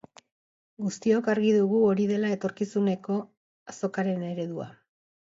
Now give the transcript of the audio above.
Guztiok argi dugu hori dela etorkizuneko azokaren eredua.